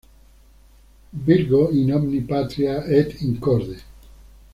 Virgo in omni patria et in corde".